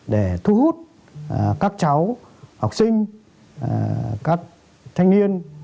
để thu hút các cháu học sinh các thanh niên